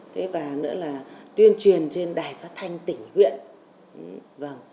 hai nữa là tuyên truyền trên đài phát thanh tỉnh huyện